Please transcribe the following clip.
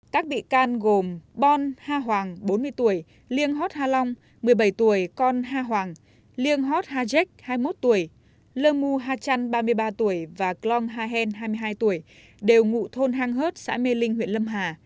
các bị can gồm bon ha hoàng bốn mươi tuổi liên hót ha long một mươi bảy tuổi con ha hoàng liên hót haj hai mươi một tuổi lơ mu ha trăn ba mươi ba tuổi và clong ha hen hai mươi hai tuổi đều ngụ thôn hang hớt xã mê linh huyện lâm hà